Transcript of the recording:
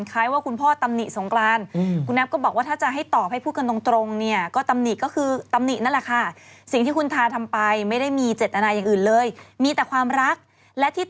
ทักว่าพญานาคเฝ้าสมบัติอยู่ที่ริมหนองน้ำไม่เคยรู้จักกันมาก่อน